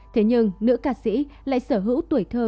thế nhưng nữ ca sĩ lại sở hữu tuổi thơ